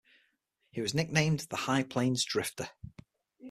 He was nicknamed the "High Plains Drifter".